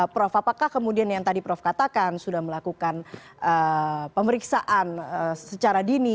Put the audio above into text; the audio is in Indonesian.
prof apakah kemudian yang tadi prof katakan sudah melakukan pemeriksaan secara dini